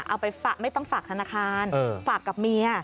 เอาไปฝากไม่ต้องฝากธนาคารฝากกับเมีย